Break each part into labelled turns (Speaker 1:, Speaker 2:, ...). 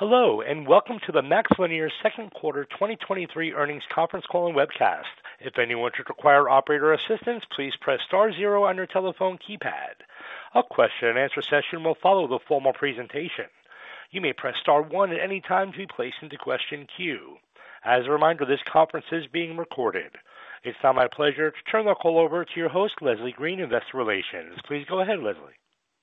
Speaker 1: Hello, and welcome to the MaxLinear Second Quarter 2023 Earnings Conference Call and Webcast. If anyone should require operator assistance, please press star zero on your telephone keypad. A question-and-answer session will follow the formal presentation. You may press star one at any time to be placed into question queue. As a reminder, this conference is being recorded. It's now my pleasure to turn the call over to your host, Leslie Green, Investor Relations. Please go ahead, Leslie.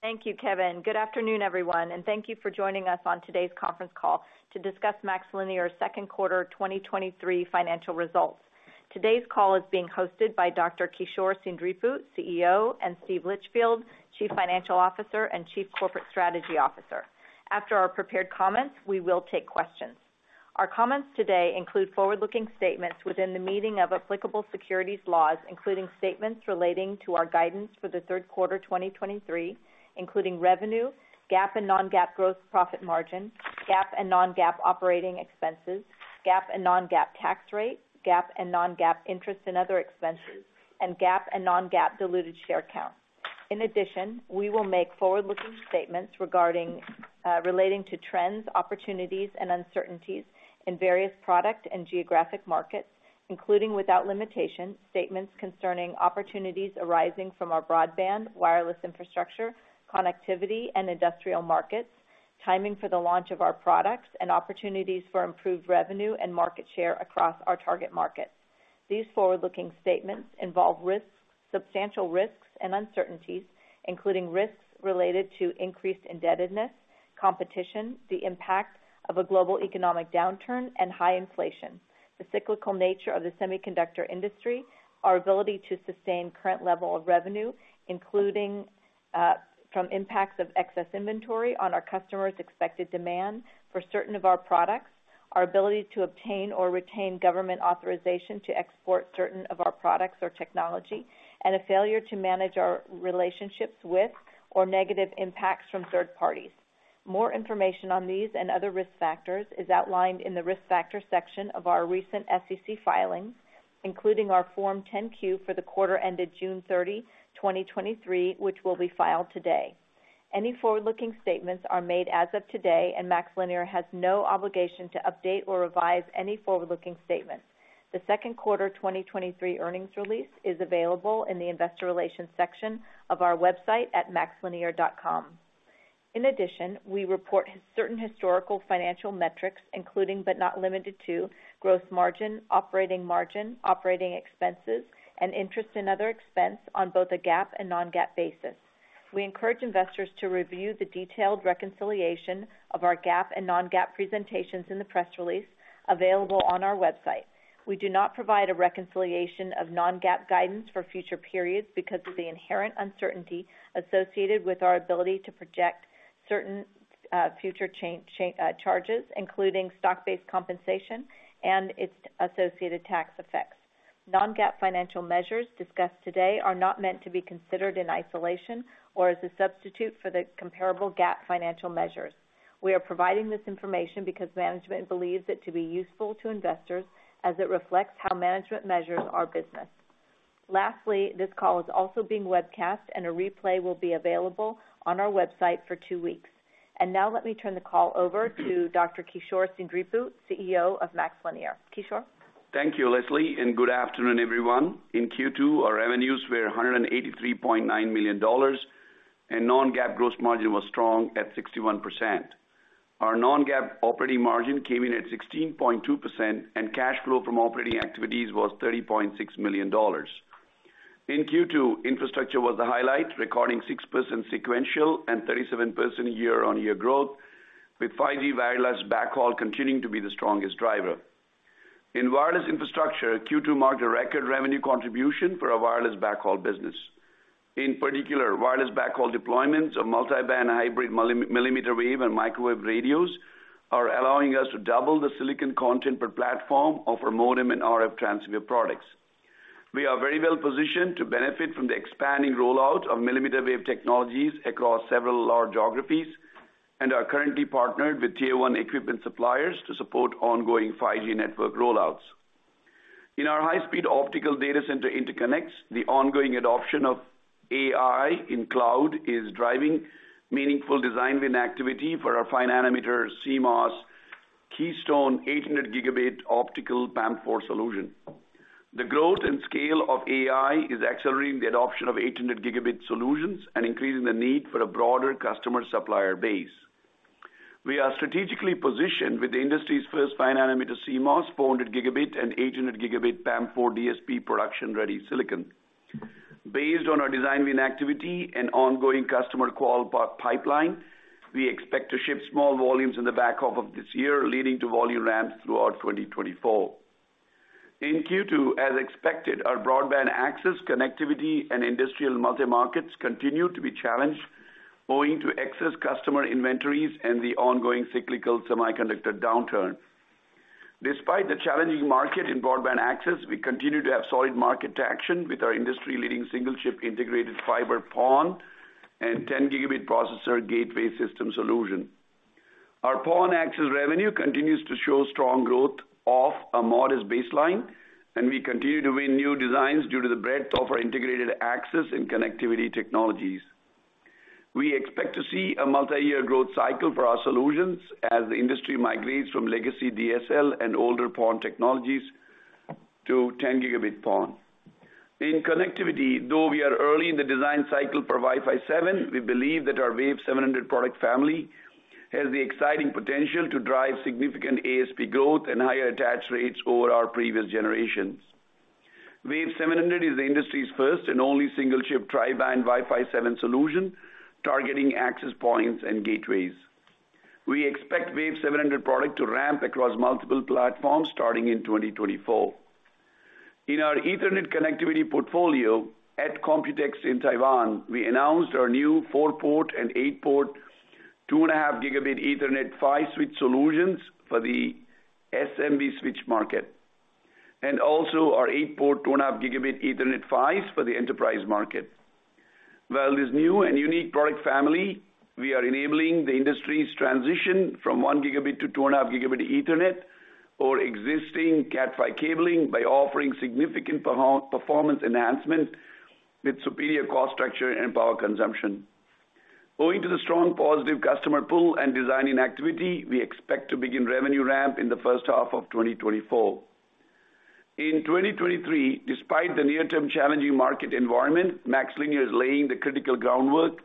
Speaker 2: Thank you, Kevin. Good afternoon, everyone, and thank you for joining us on today's conference call to discuss MaxLinear's second quarter 2023 financial results. Today's call is being hosted by Dr. Kishore Seendripu, CEO, and Steve Litchfield, Chief Financial Officer and Chief Corporate Strategy Officer. After our prepared comments, we will take questions. Our comments today include forward-looking statements within the meaning of applicable securities laws, including statements relating to our guidance for the third quarter 2023, including revenue, GAAP and non-GAAP growth, profit margin, GAAP and non-GAAP operating expenses, GAAP and non-GAAP tax rate, GAAP and non-GAAP interest and other expenses, and GAAP and non-GAAP diluted share count. In addition, we will make forward-looking statements regarding relating to trends, opportunities, and uncertainties in various product and geographic markets, including, without limitation, statements concerning opportunities arising from our broadband, wireless infrastructure, connectivity and industrial markets, timing for the launch of our products, and opportunities for improved revenue and market share across our target markets. These forward-looking statements involve risks, substantial risks and uncertainties, including risks related to increased indebtedness, competition, the impact of a global economic downturn and high inflation, the cyclical nature of the semiconductor industry, our ability to sustain current level of revenue, including from impacts of excess inventory on our customers' expected demand for certain of our products, our ability to obtain or retain government authorization to export certain of our products or technology, and a failure to manage our relationships with or negative impacts from third parties. More information on these and other risk factors is outlined in the Risk Factors section of our recent SEC filings, including our Form 10-Q for the quarter ended June 30, 2023, which will be filed today. Any forward-looking statements are made as of today. MaxLinear has no obligation to update or revise any forward-looking statement. The second quarter 2023 earnings release is available in the Investor Relations section of our website at maxlinear.com. In addition, we report certain historical financial metrics, including but not limited to, gross margin, operating margin, operating expenses, and interest and other expense on both a GAAP and non-GAAP basis. We encourage investors to review the detailed reconciliation of our GAAP and non-GAAP presentations in the press release available on our website. We do not provide a reconciliation of non-GAAP guidance for future periods because of the inherent uncertainty associated with our ability to project certain future charges, including stock-based compensation and its associated tax effects. Non-GAAP financial measures discussed today are not meant to be considered in isolation or as a substitute for the comparable GAAP financial measures. We are providing this information because management believes it to be useful to investors as it reflects how management measures our business. Lastly, this call is also being webcast, and a replay will be available on our website for two weeks. Now let me turn the call over to Dr. Kishore Seendripu, CEO of MaxLinear. Kishore?
Speaker 3: Thank you, Leslie. Good afternoon, everyone. In Q2, our revenues were $183.9 million, and non-GAAP gross margin was strong at 61%. Our non-GAAP operating margin came in at 16.2%, and cash flow from operating activities was $30.6 million. In Q2, infrastructure was the highlight, recording 6% sequential and 37% year-on-year growth, with 5G wireless backhaul continuing to be the strongest driver. In wireless infrastructure, Q2 marked a record revenue contribution for our wireless backhaul business. In particular, wireless backhaul deployments of multiband hybrid milli- millimeter wave and microwave radios are allowing us to double the silicon content per platform of our modem and RF transceiver products. We are very well positioned to benefit from the expanding rollout of millimeter wave technologies across several large geographies and are currently partnered with Tier 1 equipment suppliers to support ongoing 5G network rollouts. In our high-speed optical data center interconnects, the ongoing adoption of AI in cloud is driving meaningful design win activity for our 5nm CMOS Keystone 800Gb optical PAM4 solution. The growth and scale of AI is accelerating the adoption of 800 Gb solutions and increasing the need for a broader customer supplier base. We are strategically positioned with the industry's first 5nm CMOS, 400Gb, and 800Gb PAM4 DSP production-ready silicon. Based on our design win activity and ongoing customer qual pipeline, we expect to ship small volumes in the back half of this year, leading to volume ramps throughout 2024. In Q2, as expected, our broadband access, connectivity, and industrial multi-markets continued to be challenged owing to excess customer inventories and the ongoing cyclical semiconductor downturn. Despite the challenging market in broadband access, we continue to have solid market traction with our industry-leading single-chip integrated fiber PON and 10Gb processor gateway system solution. Our PON access revenue continues to show strong growth off a modest baseline, and we continue to win new designs due to the breadth of our integrated access and connectivity technologies. We expect to see a multi-year growth cycle for our solutions as the industry migrates from legacy DSL and older PON technologies to 10Gb PON. In connectivity, though we are early in the design cycle for Wi-Fi 7, we believe that our Wave 700 product family has the exciting potential to drive significant ASP growth and higher attach rates over our previous generations. Wave 700 is the industry's first and only single-chip tri-band Wi-Fi 7 solution, targeting access points and gateways. We expect Wave 700 product to ramp across multiple platforms starting in 2024. In our Ethernet connectivity portfolio at Computex in Taiwan, we announced our new four-port and eight-port 2.5Gb Ethernet 5 Switch solutions for the SMB switch market, and also our eight-port two-and-a-half gigabit Ethernet 5 for the enterprise market. While this new and unique product family, we are enabling the industry's transition from 1Gb-2.5Gb Ethernet or existing Cat 5 cabling by offering significant performance enhancement with superior cost structure and power consumption. Owing to the strong positive customer pull and designing activity, we expect to begin revenue ramp in the first half of 2024. In 2023, despite the near-term challenging market environment, MaxLinear is laying the critical groundwork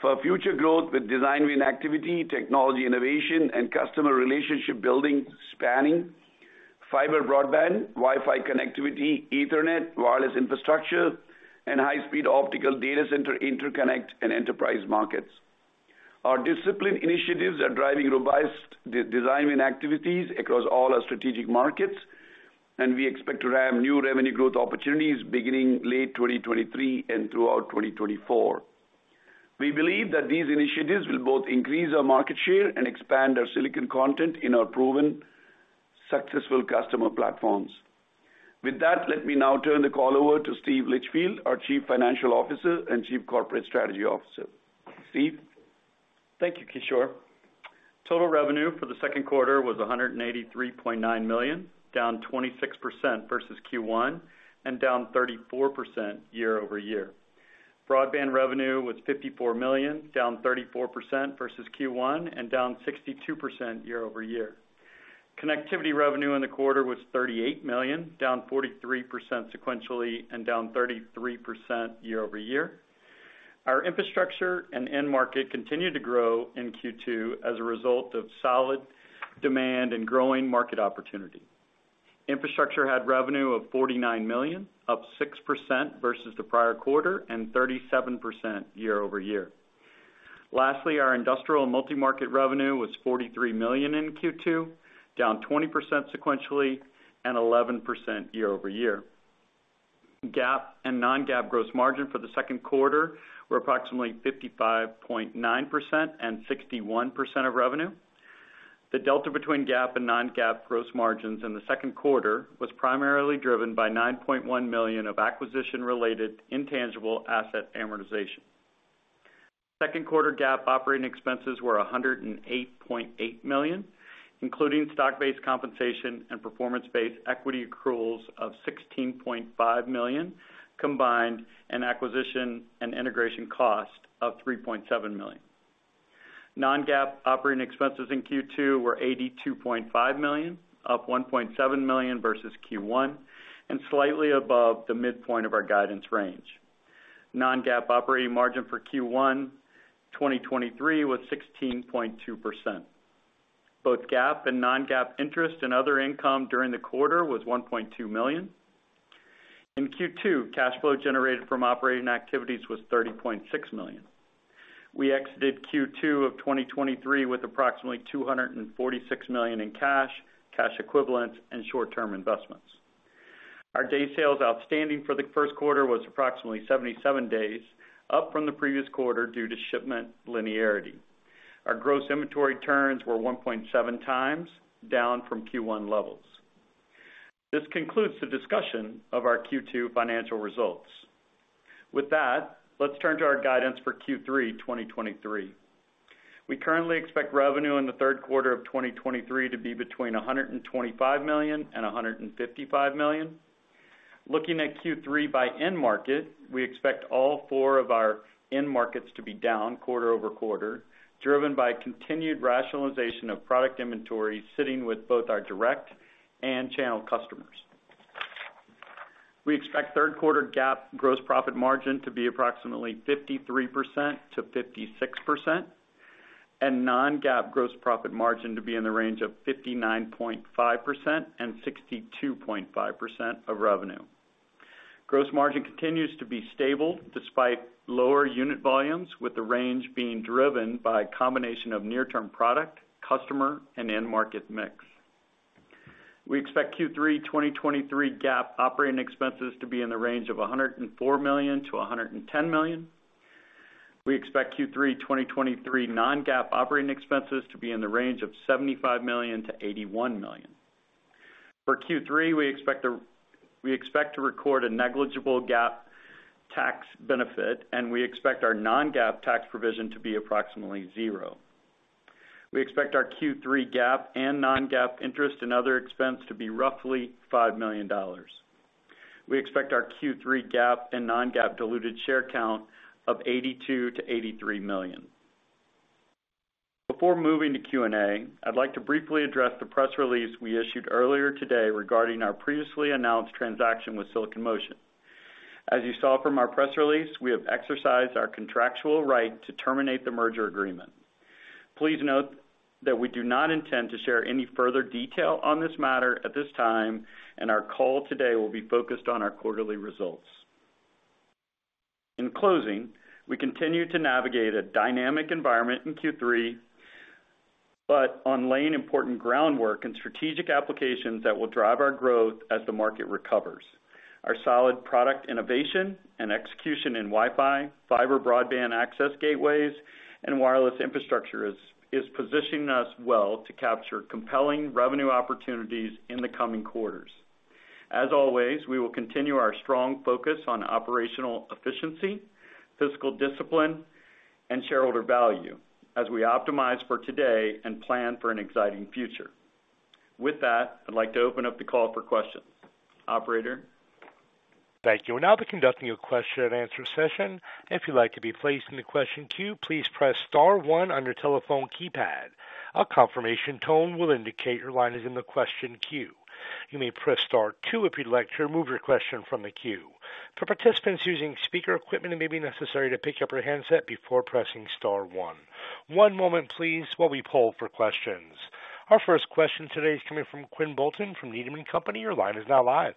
Speaker 3: for future growth with design win activity, technology innovation, and customer relationship building, spanning fiber broadband, Wi-Fi connectivity, Ethernet, wireless infrastructure, and high-speed optical data center interconnect and enterprise markets. Our disciplined initiatives are driving robust design win activities across all our strategic markets, and we expect to ramp new revenue growth opportunities beginning late 2023 and throughout 2024. We believe that these initiatives will both increase our market share and expand our silicon content in our proven, successful customer platforms. With that, let me now turn the call over to Steve Litchfield, our Chief Financial Officer and Chief Corporate Strategy Officer. Steve?
Speaker 4: Thank you, Kishore. Total revenue for the second quarter was $183.9 million, down 26% versus Q1 and down 34% year-over-year. Broadband revenue was $54 million, down 34% versus Q1 and down 62% year-over-year. Connectivity revenue in the quarter was $38 million, down 43% sequentially and down 33% year-over-year. Our infrastructure and end market continued to grow in Q2 as a result of solid demand and growing market opportunity. Infrastructure had revenue of $49 million, up 6% versus the prior quarter and 37% year-over-year. Our industrial multi-market revenue was $43 million in Q2, down 20% sequentially and 11% year-over-year. GAAP and non-GAAP gross margin for the second quarter were approximately 55.9% and 61% of revenue. The delta between GAAP and non-GAAP gross margins in the second quarter was primarily driven by $9.1 million of acquisition-related intangible asset amortization. Second quarter GAAP operating expenses were $108.8 million, including stock-based compensation and performance-based equity accruals of $16.5 million, combined, and acquisition and integration cost of $3.7 million. Non-GAAP operating expenses in Q2 were $82.5 million, up $1.7 million versus Q1, and slightly above the midpoint of our guidance range. Non-GAAP operating margin for Q1 2023 was 16.2%. Both GAAP and non-GAAP interest and other income during the quarter was $1.2 million. In Q2, cash flow generated from operating activities was $30.6 million. We exited Q2 of 2023 with approximately $246 million in cash equivalents, and short-term investments. Our day sales outstanding for the first quarter was approximately 77 days, up from the previous quarter due to shipment linearity. Our gross inventory turns were 1.7x, down from Q1 levels. This concludes the discussion of our Q2 financial results. Let's turn to our guidance for Q3 2023. We currently expect revenue in the third quarter of 2023 to be between $125 million and $155 million. Looking at Q3 by end market, we expect all four of our end markets to be down quarter-over-quarter, driven by continued rationalization of product inventory, sitting with both our direct and channel customers. We expect third quarter GAAP gross profit margin to be approximately 53%-56%, and non-GAAP gross profit margin to be in the range of 59.5% and 62.5% of revenue. Gross margin continues to be stable despite lower unit volumes, with the range being driven by a combination of near-term product, customer, and end market mix. We expect Q3 2023 GAAP operating expenses to be in the range of $104 million-$110 million. We expect Q3 2023 non-GAAP operating expenses to be in the range of $75 million-$81 million. For Q3, we expect to record a negligible GAAP tax benefit, and we expect our non-GAAP tax provision to be approximately zero. We expect our Q3 GAAP and non-GAAP interest and other expense to be roughly $5 million. We expect our Q3 GAAP and non-GAAP diluted share count of $82 million-$83 million. Before moving to Q&A, I'd like to briefly address the press release we issued earlier today regarding our previously announced transaction with Silicon Motion. As you saw from our press release, we have exercised our contractual right to terminate the merger agreement. Please note that we do not intend to share any further detail on this matter at this time, and our call today will be focused on our quarterly results. In closing, we continue to navigate a dynamic environment in Q3, but on laying important groundwork and strategic applications that will drive our growth as the market recovers. Our solid product innovation and execution in Wi-Fi, fiber broadband access gateways, and wireless infrastructure is positioning us well to capture compelling revenue opportunities in the coming quarters. As always, we will continue our strong focus on operational efficiency, fiscal discipline, and shareholder value as we optimize for today and plan for an exciting future. With that, I'd like to open up the call for questions. Operator?
Speaker 1: Thank you. We'll now be conducting a question-and-answer session. If you'd like to be placed in the question queue, please press star one on your telephone keypad. A confirmation tone will indicate your line is in the question queue. You may press star two if you'd like to remove your question from the queue. For participants using speaker equipment, it may be necessary to pick up your handset before pressing star one. One moment, please, while we poll for questions. Our first question today is coming from Quinn Bolton from Needham & Company. Your line is now live.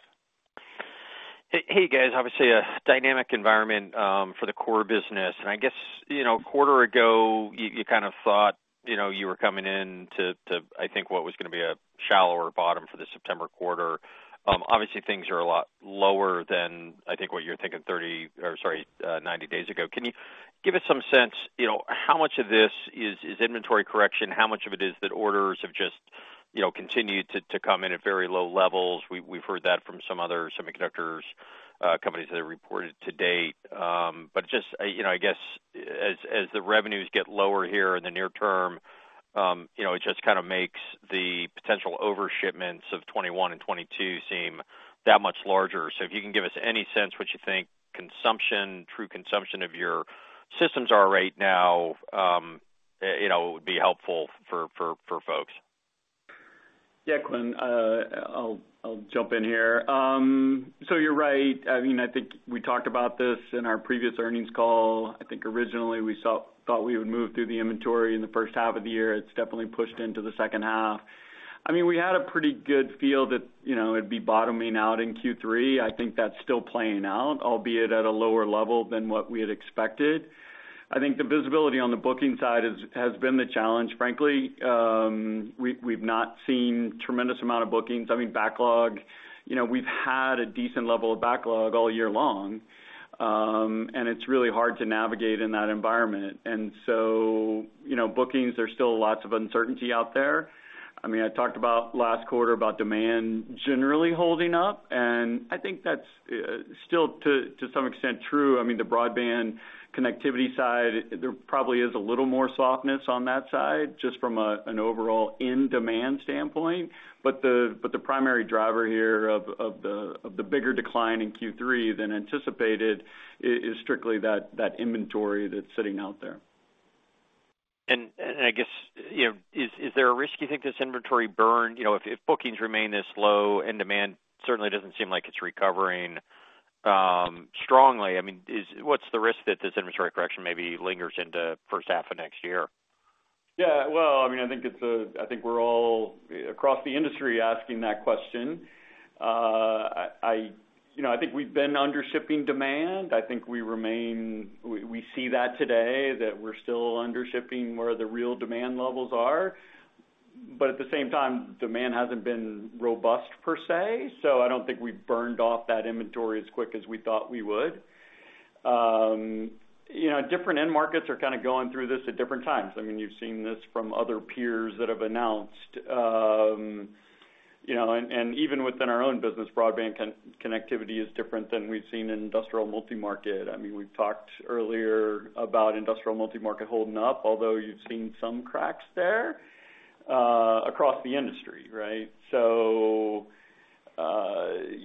Speaker 5: Hey, guys. Obviously, a dynamic environment for the core business. I guess, you know, a quarter ago, you kind of thought, you know, you were coming in to, I think, what was going to be a shallower bottom for the September quarter. Obviously, things are a lot lower than, I think, what you're thinking 30 or sorry, 90 days ago. Can you give us some sense, you know, how much of this is inventory correction? How much of it is that orders have just, you know, continued to come in at very low levels? We've heard that from some other semiconductors companies that have reported to date. Just, you know, I guess as the revenues get lower here in the near term, you know, it just kind of makes the potential overshipments of 21 and 22 seem that much larger. If you can give us any sense what you think consumption, true consumption of your systems are right now, you know, it would be helpful for folks.
Speaker 4: Quinn, I'll jump in here. You're right. I mean, I think we talked about this in our previous earnings call. I think originally we thought we would move through the inventory in the first half of the year. It's definitely pushed into the second half. I mean, we had a pretty good feel that, you know, it'd be bottoming out in Q3. I think that's still playing out, albeit at a lower level than what we had expected. I think the visibility on the booking side has been the challenge. Frankly, we've not seen tremendous amount of bookings. I mean, backlog, you know, we've had a decent level of backlog all year long, and it's really hard to navigate in that environment. Bookings, there's still lots of uncertainty out there. I mean, I talked about last quarter about demand generally holding up, I think that's still to some extent true. I mean, the broadband connectivity side, there probably is a little more softness on that side, just from an overall end demand standpoint. The primary driver here of the bigger decline in Q3 than anticipated is strictly that inventory that's sitting out there.
Speaker 5: I guess, you know, is there a risk you think this inventory burn? You know, if bookings remain this low and demand certainly doesn't seem like it's recovering, strongly, I mean, what's the risk that this inventory correction maybe lingers into first half of next year?
Speaker 4: Yeah, well, I mean, I think it's I think we're all across the industry asking that question. I, you know, I think we've been under shipping demand. I think we see that today, that we're still under shipping where the real demand levels are. At the same time, demand hasn't been robust per se, so I don't think we've burned off that inventory as quick as we thought we would. You know, different end markets are kind of going through this at different times. I mean, you've seen this from other peers that have announced. You know, even within our own business, broadband connectivity is different than we've seen in industrial multimarket. I mean, we've talked earlier about industrial multimarket holding up, although you've seen some cracks there, across the industry, right? You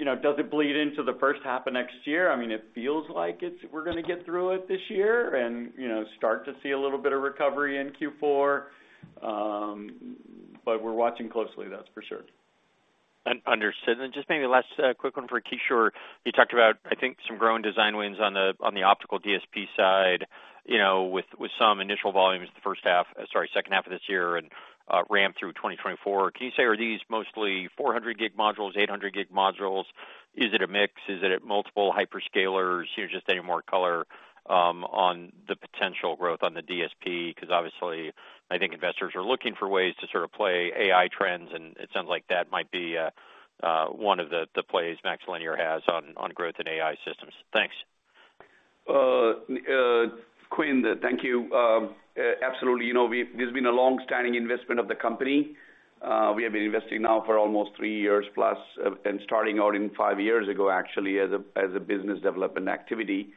Speaker 4: know, does it bleed into the first half of next year? I mean, it feels like we're going to get through it this year and, you know, start to see a little bit of recovery in Q4. We're watching closely, that's for sure.
Speaker 5: understood. Just maybe last quick one for Kishore. You talked about, I think, some growing design wins on the optical DSP side, you know, with some initial volumes the first half, sorry, second half of this year and ramp through 2024. Can you say, are these mostly 400G modules, 800G modules? Is it a mix? Is it at multiple hyperscalers? You know, just any more color on the potential growth on the DSP, because obviously, I think investors are looking for ways to sort of play AI trends, and it sounds like that might be one of the plays MaxLinear has on growth in AI systems. Thanks.
Speaker 3: Quinn, thank you. Absolutely, you know, this has been a long-standing investment of the company. We have been investing now for almost three years plus, and starting out in five years ago, actually, as a business development activity.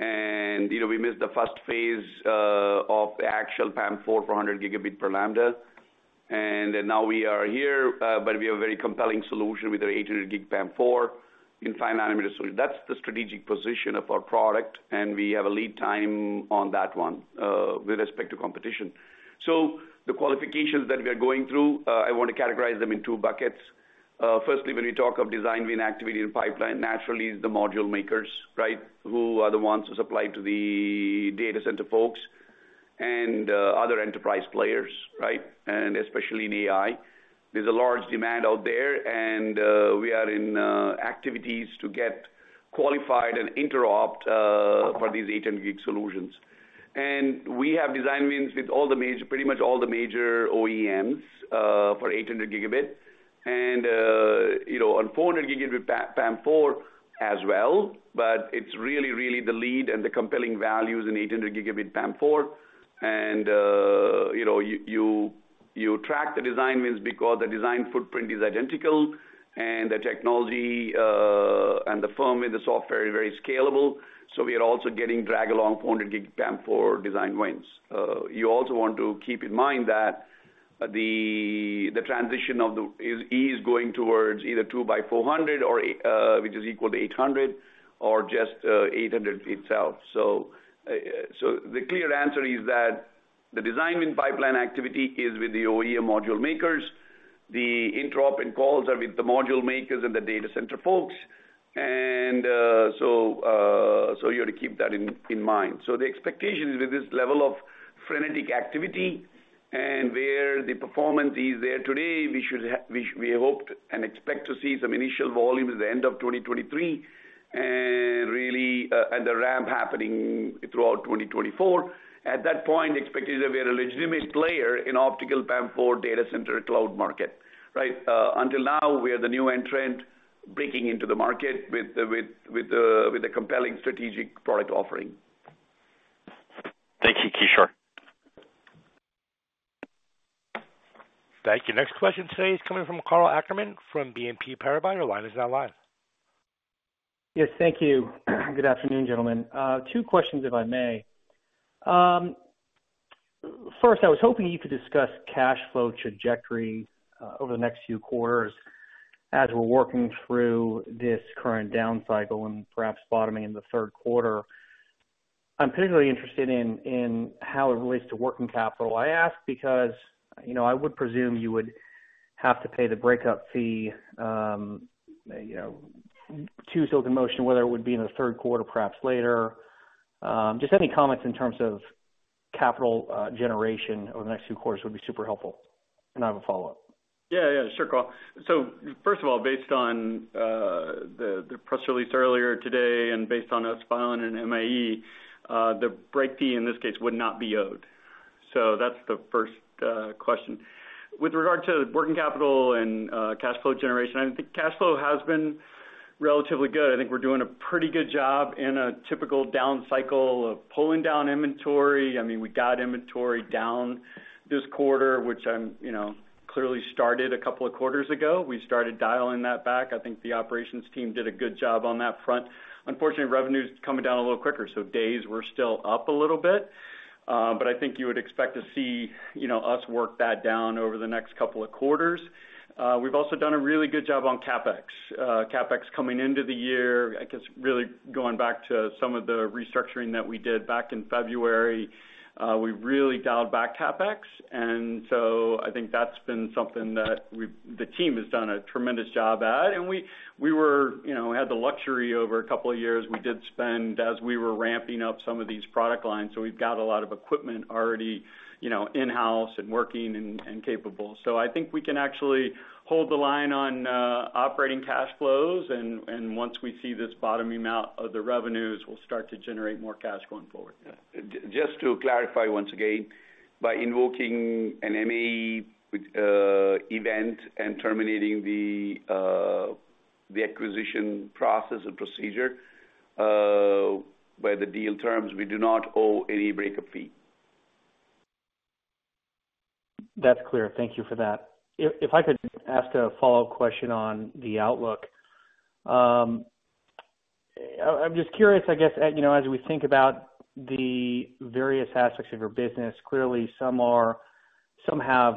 Speaker 3: You know, we missed the first phase of the actual PAM4 for 100Gb per lambda. Now we are here, but we have a very compelling solution with our 800G PAM4 in 5 nm solution. That's the strategic position of our product, and we have a lead time on that one with respect to competition. The qualifications that we are going through, I want to categorize them in 2 buckets. Firstly, when we talk of design win activity in pipeline, naturally, is the module makers, right? Who are the ones who supply to the data center folks and other enterprise players, right? Especially in AI. There's a large demand out there, and we are in activities to get qualified and interop for these 800G solutions. We have design wins with pretty much all the major OEMs for 800Gb, and, you know, on 400 gigabit PAM4 as well. It's really, really the lead and the compelling values in 800 gigabit PAM4. You know, you, you track the design wins because the design footprint is identical and the technology and the firm in the software is very scalable. We are also getting drag along 400G PAM4 design wins. You also want to keep in mind that the transition is going towards either 2 by 400 or which is equal to 800 or just 800 itself. The clear answer is that the design win pipeline activity is with the OEM module makers. The interop and calls are with the module makers and the data center folks. You have to keep that in mind. The expectation is with this level of frenetic activity and where the performance is there today, we hoped and expect to see some initial volume at the end of 2023, and really, the ramp happening throughout 2024. At that point, expected that we are a legitimate player in optical PAM4 data center cloud market, right? Until now, we are the new entrant breaking into the market with a compelling strategic product offering.
Speaker 4: Thank you, Kishore.
Speaker 1: Thank you. Next question today is coming from Christopher Rolland from BNP Paribas. Your line is now live.
Speaker 6: Yes, thank you. Good afternoon, gentlemen. Two questions, if I may. First, I was hoping you could discuss cash flow trajectory over the next few quarters as we're working through this current down cycle and perhaps bottoming in the third quarter. I'm particularly interested in how it relates to working capital. I ask because, you know, I would presume you would have to pay the breakup fee, you know, to Silicon Motion, whether it would be in the third quarter, perhaps later. Just any comments in terms of capital generation over the next few quarters would be super helpful. I have a follow-up.
Speaker 4: Sure, Chris. First of all, based on the press release earlier today and based on us filing an MAE, the break fee in this case would not be owed. That's the first question. With regard to working capital and cash flow generation, I think cash flow has been relatively good. I think we're doing a pretty good job in a typical down cycle of pulling down inventory. I mean, we got inventory down this quarter, which, you know, clearly started 2 quarters ago. We started dialing that back. I think the operations team did a good job on that front. Unfortunately, revenue is coming down a little quicker, so days were still up a little bit. I think you would expect to see, you know, us work that down over the next two quarters. We've also done a really good job on CapEx. CapEx coming into the year, I guess, really going back to some of the restructuring that we did back in February, we really dialed back CapEx, I think that's been something that the team has done a tremendous job at. We, you know, had the luxury over a couple of years. We did spend as we were ramping up some of these product lines, so we've got a lot of equipment already, you know, in-house and working and capable. I think we can actually hold the line on operating cash flows, and once we see this bottoming out of the revenues, we'll start to generate more cash going forward.
Speaker 3: Just to clarify once again, by invoking an MAE event and terminating the acquisition process or procedure, by the deal terms, we do not owe any breakup fee.
Speaker 6: That's clear. Thank you for that. If I could ask a follow-up question on the outlook. I'm just curious, I guess, you know, as we think about the various aspects of your business, clearly, some have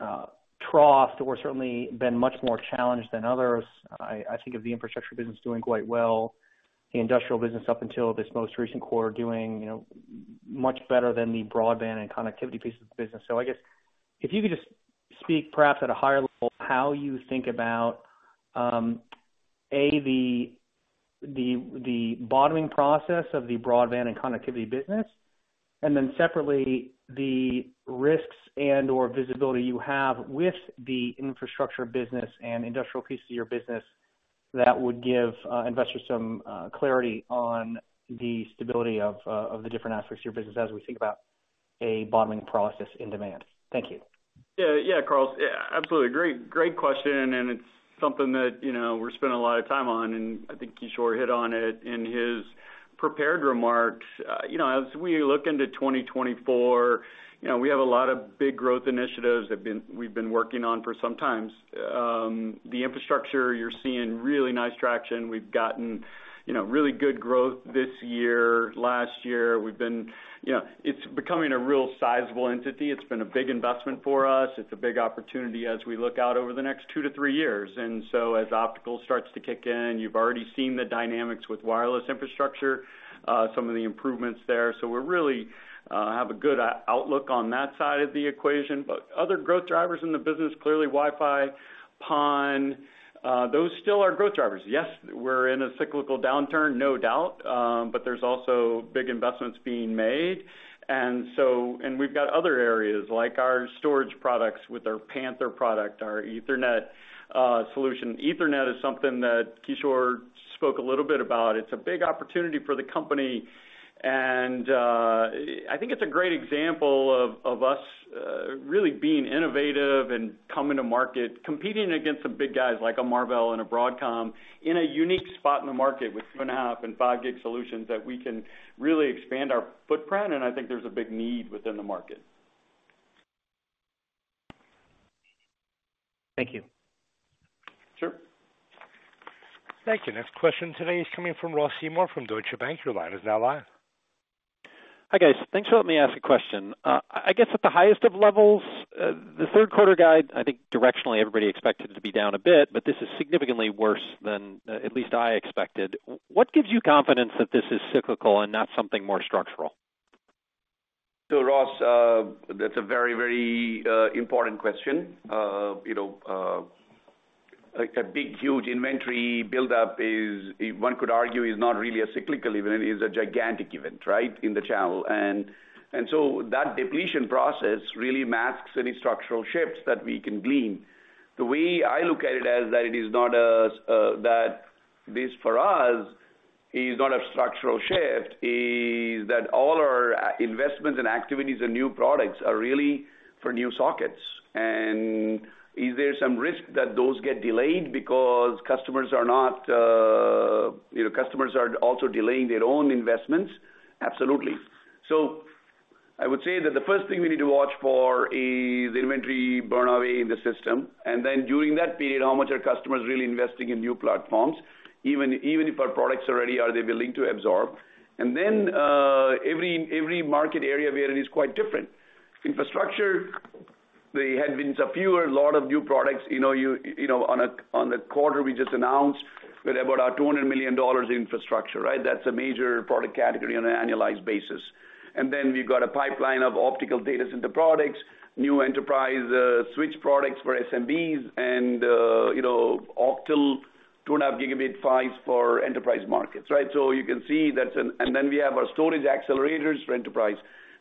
Speaker 6: troughed or certainly been much more challenged than others. I think of the infrastructure business doing quite well, the industrial business up until this most recent quarter, doing, you know, much better than the broadband and connectivity piece of the business. I guess if you could just speak perhaps at a higher level, how you think about, A, the bottoming process of the broadband and connectivity business, and then separately, the risks and/or visibility you have with the infrastructure business and industrial pieces of your business, that would give investors some clarity on the stability of the different aspects of your business as we think about a bottoming process in demand. Thank you.
Speaker 4: Yeah. Yeah, Chris. Yeah, absolutely. Great, great question, and it's something that, you know, we're spending a lot of time on, and I think Kishore hit on it in his prepared remarks. you know, as we look into 2024, you know, we have a lot of big growth initiatives that we've been working on for some times. The infrastructure, you're seeing really nice traction. We've gotten, you know, really good growth this year. Last year, we've been. You know, it's becoming a real sizable entity. It's been a big investment for us. It's a big opportunity as we look out over the next two to three years. As optical starts to kick in, you've already seen the dynamics with wireless infrastructure, some of the improvements there. We're really have a good outlook on that side of the equation. Other growth drivers in the business, clearly Wi-Fi, PON, those still are growth drivers. Yes, we're in a cyclical downturn, no doubt, but there's also big investments being made. We've got other areas, like our storage products with our Panther product, our Ethernet solution. Ethernet is something that Kishore spoke a little bit about. It's a big opportunity for the company, and I think it's a great example of us really being innovative and coming to market, competing against the big guys like a Marvell and a Broadcom, in a unique spot in the market with 2.5G and 5G solutions that we can really expand our footprint, and I think there's a big need within the market.
Speaker 7: Thank you.
Speaker 4: Sure.
Speaker 1: Thank you. Next question today is coming from Ross Seymore from Deutsche Bank. Your line is now live.
Speaker 8: Hi, guys. Thanks for letting me ask a question. I guess at the highest of levels, the third quarter guide, I think directionally, everybody expected it to be down a bit. This is significantly worse than at least I expected. What gives you confidence that this is cyclical and not something more structural?
Speaker 3: Ross, that's a very, very important question. You know, like, a big, huge inventory buildup is, one could argue, is not really a cyclical event, it's a gigantic event, right? In the channel. That depletion process really masks any structural shifts that we can glean. The way I look at it as that it is not a, that this, for us, is not a structural shift, is that all our investments and activities and new products are really for new sockets. Is there some risk that those get delayed because customers are not, you know, customers are also delaying their own investments? Absolutely. I would say that the first thing we need to watch for is the inventory burn away in the system, then during that period, how much are customers really investing in new platforms, even if our products already are, they're willing to absorb. Then, every market area where it is quite different. Infrastructure, they had been a fewer lot of new products. You know, on a, on the quarter we just announced, we're about our $200 million infrastructure, right? That's a major product category on an annualized basis. Then we've got a pipeline of optical data center products, new enterprise, switch products for SMBs, then, you know, octal 2.5Gb PHYs for enterprise markets, right? You can see that's. Then we have our storage accelerators for enterprise.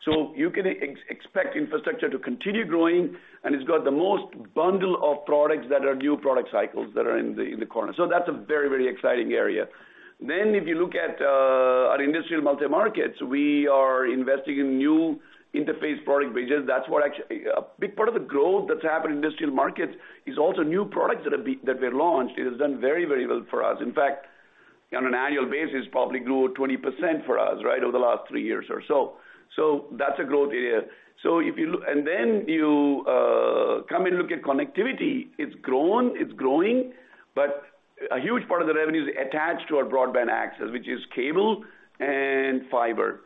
Speaker 3: You can expect infrastructure to continue growing, and it's got the most bundle of products that are new product cycles that are in the corner. That's a very, very exciting area. If you look at our industrial multimarkets, we are investing in new interface product bridges. That's what actually. A big part of the growth that's happened in industrial markets is also new products that were launched. It has done very, very well for us. In fact, on an annual basis, probably grew 20% for us, right, over the last three years or so. That's a growth area. You, come and look at connectivity, it's grown, it's growing, but a huge part of the revenue is attached to our broadband access, which is cable and fiber.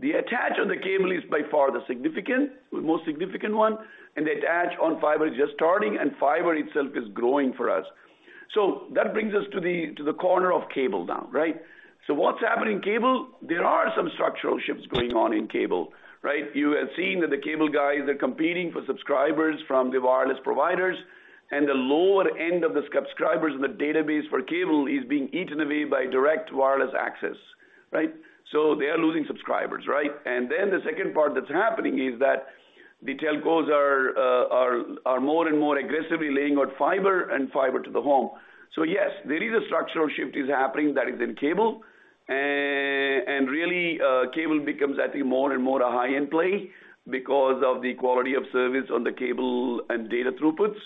Speaker 3: The attach on the cable is by far the most significant one. The attach on fiber is just starting. Fiber itself is growing for us. That brings us to the corner of cable now, right. What's happening in cable? There are some structural shifts going on in cable, right. You have seen that the cable guys are competing for subscribers from the wireless providers. The lower end of the subscribers in the database for cable is being eaten away by direct wireless access, right. They are losing subscribers, right. The second part that's happening is that the telcos are more and more aggressively laying out fiber and fiber to the home. Yes, there is a structural shift happening that is in cable, and really, cable becomes, I think, more and more a high-end play because of the quality of service on the cable and data throughputs.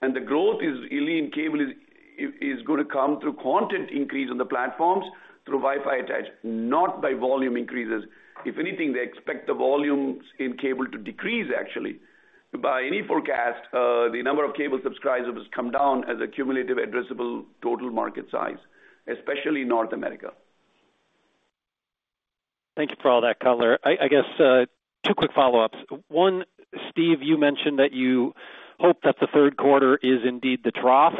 Speaker 3: The growth is really in cable is going to come through content increase on the platforms, through Wi-Fi attach, not by volume increases. If anything, they expect the volumes in cable to decrease actually. By any forecast, the number of cable subscribers has come down as a cumulative addressable total market size, especially in North America.
Speaker 8: Thank you for all that, Quinn Bolton. I guess, two quick follow-ups. One, Steve, you mentioned that you hope that the third quarter is indeed the trough.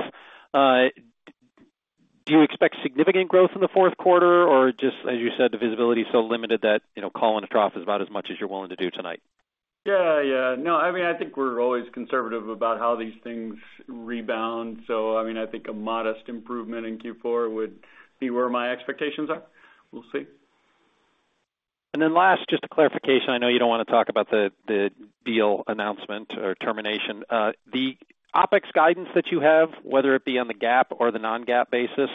Speaker 8: Do you expect significant growth in the fourth quarter, or just, as you said, the visibility is so limited that, you know, calling a trough is about as much as you're willing to do tonight?
Speaker 4: Yeah, yeah. No, I mean, I think we're always conservative about how these things rebound. I mean, I think a modest improvement in Q4 would be where my expectations are. We'll see.
Speaker 8: Last, just a clarification. I know you don't want to talk about the deal announcement or termination. The OpEx guidance that you have, whether it be on the GAAP or the non-GAAP basis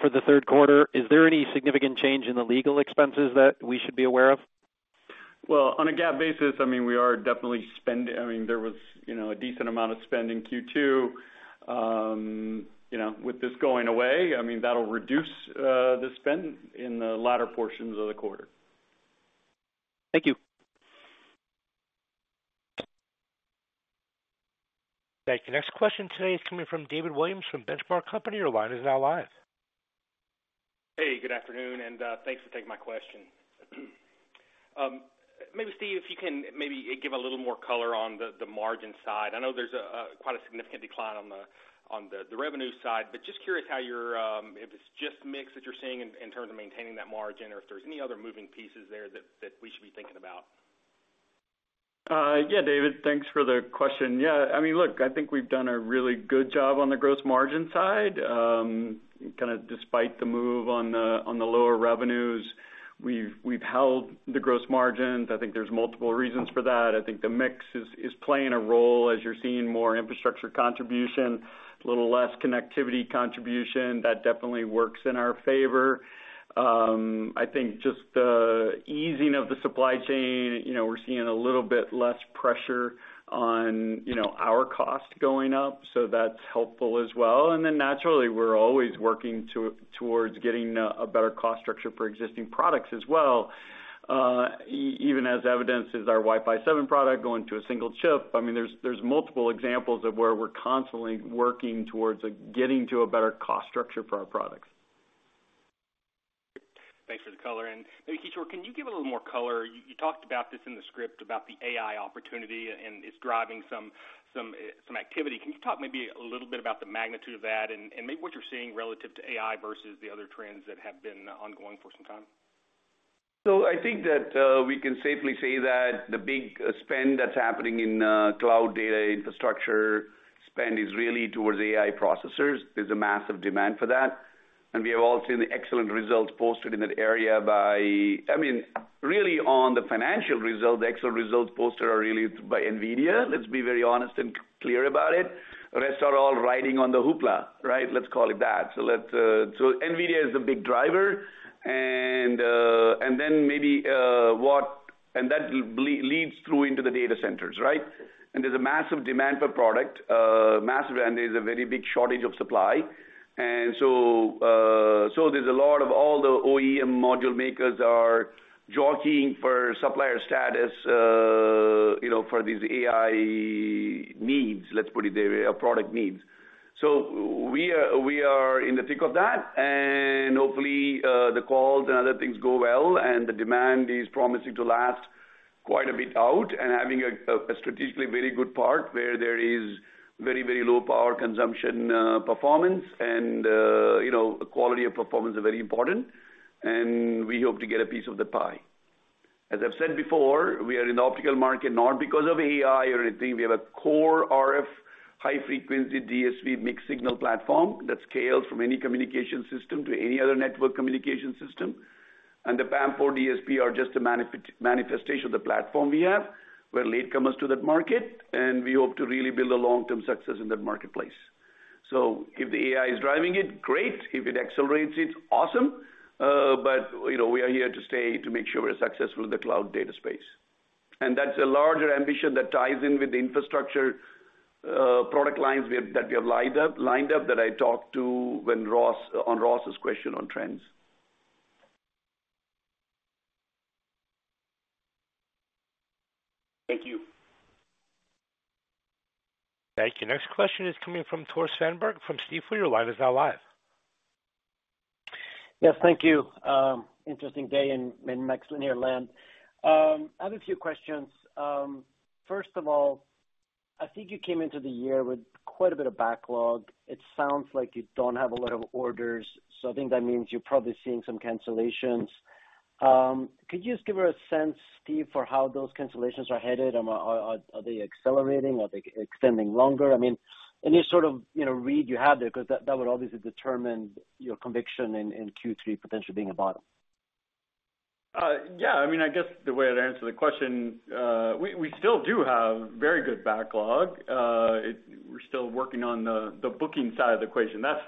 Speaker 8: for the third quarter, is there any significant change in the legal expenses that we should be aware of?
Speaker 4: Well, on a GAAP basis, I mean, there was, you know, a decent amount of spend in Q2. You know, with this going away, I mean, that'll reduce the spend in the latter portions of the quarter.
Speaker 8: Thank you.
Speaker 1: Thank you. Next question today is coming from David Williams from Benchmark Company. Your line is now live.
Speaker 9: Hey, good afternoon, and thanks for taking my question. Maybe Steve, if you can maybe give a little more color on the margin side. I know there's quite a significant decline on the revenue side, but just curious how you're if it's just mix that you're seeing in terms of maintaining that margin, or if there's any other moving pieces there we should be thinking about?
Speaker 4: Yeah, David, thanks for the question. Yeah, I mean, look, I think we've done a really good job on the gross margin side. kind of despite the move on the, on the lower revenues, we've held the gross margins. I think there's multiple reasons for that. I think the mix is playing a role as you're seeing more infrastructure contribution, a little less connectivity contribution. That definitely works in our favor. I think just the easing of the supply chain, we're seeing a little bit less pressure on our cost going up, so that's helpful as well. Naturally, we're always working towards getting a better cost structure for existing products as well. Even as evidenced, as our Wi-Fi 7 product going to a single chip, I mean, there's multiple examples of where we're constantly working towards getting to a better cost structure for our products.
Speaker 9: Thanks for the color. Maybe, Kishore, can you give a little more color? You talked about this in the script, about the AI opportunity, and it's driving some activity. Can you talk maybe a little bit about the magnitude of that and maybe what you're seeing relative to AI versus the other trends that have been ongoing for some time?
Speaker 3: I think that we can safely say that the big spend that's happening in cloud data infrastructure spend is really towards AI processors. There's a massive demand for that, and we have all seen the excellent results posted in that area. I mean, really, on the financial results, the excellent results posted are really by NVIDIA. Let's be very honest and clear about it. The rest are all riding on the hoopla, right? Let's call it that. NVIDIA is the big driver, and then maybe what leads through into the data centers, right? There's a massive demand for product, massive, and there's a very big shortage of supply. There's a lot of all the OEM module makers are jockeying for supplier status, you know, for these AI needs, let's put it there, product needs. We are, we are in the thick of that, and hopefully, the calls and other things go well, and the demand is promising to last quite a bit out and having a strategically very good part, where there is very, very low power consumption, performance and, you know, quality of performance are very important, and we hope to get a piece of the pie. As I've said before, we are in the optical market, not because of AI or anything. We have a core RF, high-frequency DSP mixed-signal platform that scales from any communication system to any other network communication system. The PAM4 DSP are just a manifestation of the platform we have. We're latecomers to that market, and we hope to really build a long-term success in that marketplace. If the AI is driving it, great. If it accelerates it, awesome. You know, we are here to stay to make sure we're successful in the cloud data space. That's a larger ambition that ties in with the infrastructure product lines we have that we have lined up, that I talked to when Ross, on Ross's question on trends.
Speaker 9: Thank you.
Speaker 1: Thank you. Next question is coming from Tore Svanberg from Stifel. Your line is now live.
Speaker 10: Yes, thank you. Interesting day in MaxLinear land. I have a few questions. First of all, I think you came into the year with quite a bit of backlog. It sounds like you don't have a lot of orders, I think that means you're probably seeing some cancellations. Could you just give her a sense, Steve, for how those cancellations are headed? Are they accelerating? Are they extending longer? I mean, any sort of, you know, read you have there, 'cause that would obviously determine your conviction in Q3 potentially being a bottom.
Speaker 4: Yeah. I mean, I guess the way I'd answer the question, we still do have very good backlog. We're still working on the booking side of the equation. That's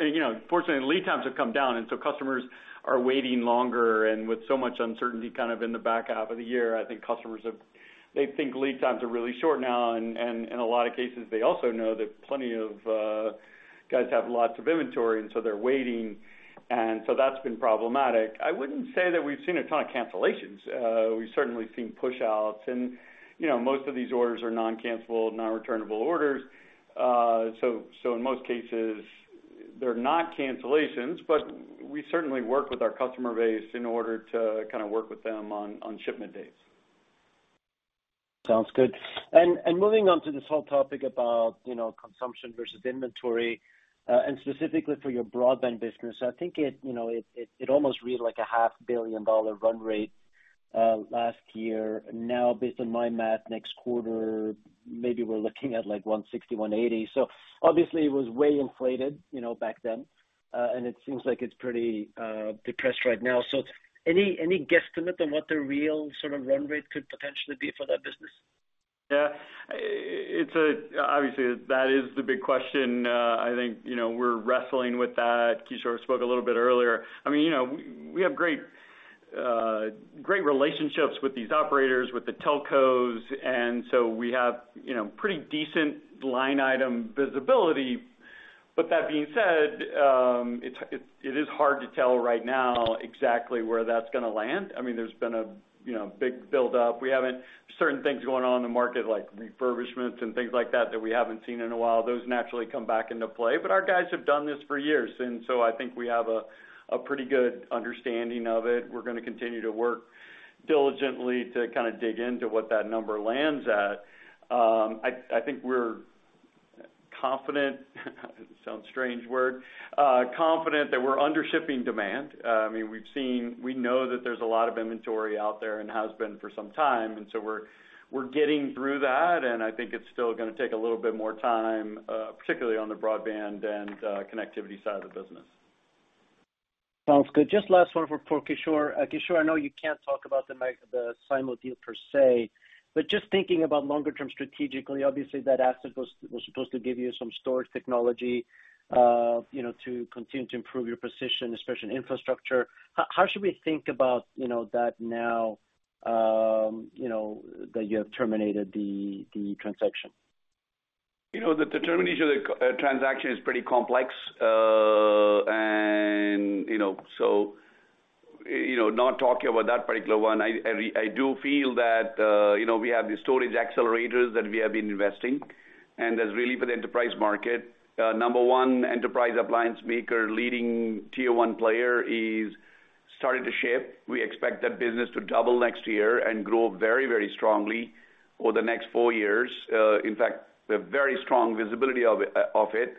Speaker 4: you know, fortunately, lead times have come down. Customers are waiting longer, and with so much uncertainty kind of in the back half of the year, I think customers have they think lead times are really short now. In a lot of cases, they also know that plenty of guys have lots of inventory. They're waiting. That's been problematic. I wouldn't say that we've seen a ton of cancellations. We've certainly seen push outs and, you know, most of these orders are non-cancellable, non-returnable orders. In most cases, they're not cancellations, but we certainly work with our customer base in order to kind of work with them on shipment dates.
Speaker 10: Sounds good. Moving on to this whole topic about, you know, consumption versus inventory, and specifically for your broadband business, I think it, you know, it almost read like a half billion dollar run rate last year. Based on my math next quarter, maybe we're looking at, like, $160, $180. Obviously, it was way inflated, you know, back then, and it seems like it's pretty depressed right now. Any guesstimate on what the real sort of run rate could potentially be for that business?
Speaker 4: Obviously, that is the big question. I think, you know, we're wrestling with that. Kishore spoke a little bit earlier. I mean, you know, we have great relationships with these operators, with the telcos, and so we have, you know, pretty decent line item visibility. That being said, it is hard to tell right now exactly where that's gonna land. I mean, there's been a, you know, big build-up. Certain things going on in the market, like refurbishments and things like that we haven't seen in a while. Those naturally come back into play, but our guys have done this for years, and so I think we have a pretty good understanding of it. We're gonna continue to work diligently to kinda dig into what that number lands at. I think we're confident, it sounds strange word, confident that we're under shipping demand. I mean, we know that there's a lot of inventory out there and has been for some time, we're getting through that, I think it's still gonna take a little bit more time, particularly on the broadband and connectivity side of the business.
Speaker 10: Sounds good. Just last one for Kishore. Kishore, I know you can't talk about the Simo deal per se, but just thinking about longer term strategically, obviously, that asset was supposed to give you some storage technology, you know, to continue to improve your position, especially in infrastructure. How should we think about, you know, that now, you know, that you have terminated the transaction?
Speaker 3: You know, the termination of the transaction is pretty complex, and, you know, so, you know, not talking about that particular one, I do feel that, you know, we have the storage accelerators that we have been investing, and that's really for the enterprise market. Number one, enterprise appliance maker, leading Tier 1 player, is starting to ship. We expect that business to double next year and grow very, very strongly over the next four years. In fact, we have very strong visibility of it.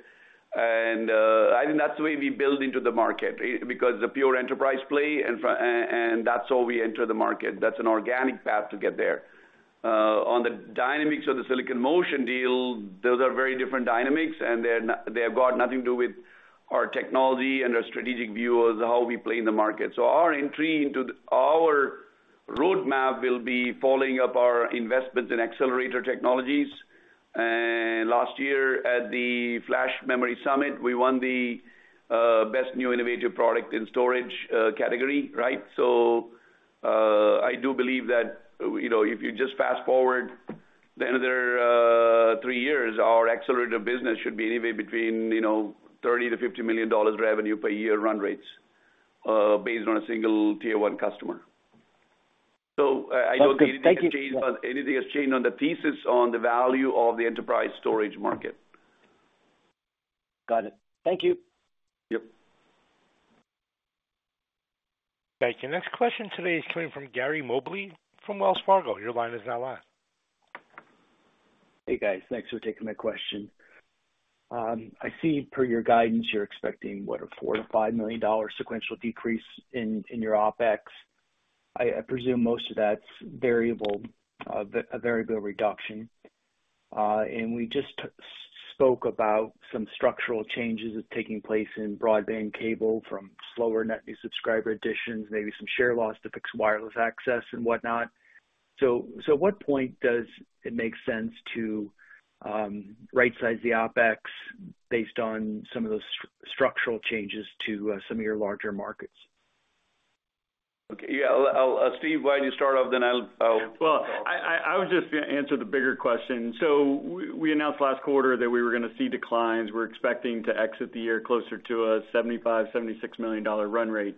Speaker 3: I think that's the way we build into the market because the pure enterprise play, and that's how we enter the market. That's an organic path to get there. On the dynamics of the Silicon Motion deal, those are very different dynamics, and they have got nothing to do with our technology and our strategic view of how we play in the market. Our entry into the roadmap will be following up our investments in accelerator technologies. Last year, at the Flash Memory Summit, we won the Best New Innovative Product in Storage category, right? I do believe that, you know, if you just fast forward another three years, our accelerator business should be anywhere between, you know, $30 million-$50 million revenue per year run rates based on a single Tier 1 customer. I don't think anything has changed.
Speaker 10: Okay. Thank you.
Speaker 3: Anything has changed on the thesis on the value of the enterprise storage market.
Speaker 10: Got it. Thank you.
Speaker 3: Yep.
Speaker 1: Thank you. Next question today is coming from Gary Mobley from Wells Fargo. Your line is now live.
Speaker 11: Hey, guys. Thanks for taking my question. I see per your guidance, you're expecting, what, a $4 million-$5 million sequential decrease in your OpEx? I presume most of that's variable, a variable reduction. We just spoke about some structural changes that's taking place in broadband cable from slower net new subscriber additions, maybe some share loss to fixed wireless access and whatnot. What point does it make sense to rightsize the OpEx based on some of those structural changes to some of your larger markets?
Speaker 3: Okay. Yeah, I'll, Steve, why don't you start off, then I'll.
Speaker 4: I would just answer the bigger question. We announced last quarter that we were gonna see declines. We're expecting to exit the year closer to a $75 million-$76 million run rate.